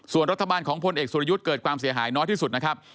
ส่วนรัฐบาลของพลเอกสุรยุทธ์เกิดความเสียหายน้อยที่สุดนะครับ